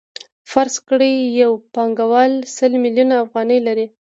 فرض کړئ یو پانګوال سل میلیونه افغانۍ لري